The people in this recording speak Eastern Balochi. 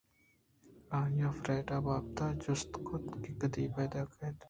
آئیءَ فریڈا ءِ بابتءَ جست کُت کہ کدی پیداک اِنت